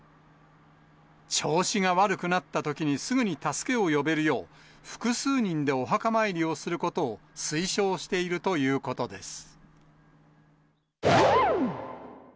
調子が悪くなったときにすぐに助けを呼べるよう、複数人でお墓参りをすることを推奨しているということです。